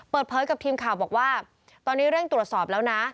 เปิดเผยกับทีมข่าวบอกว่าตอนนี้เร่งตรวจสอบแล้วนะ